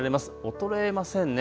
衰えませんね。